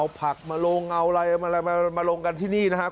เอาผักมาลงเอาอะไรมาลงกันที่นี่นะครับ